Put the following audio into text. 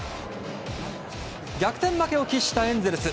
逆転負けを喫したエンゼルス。